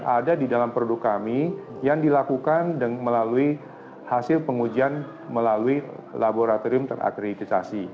ada di dalam produk kami yang dilakukan melalui hasil pengujian melalui laboratorium terakreditasi